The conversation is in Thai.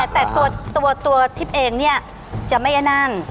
แต่ตัวทิพย์เองเนี่ยจะไม่ไอ้นั่น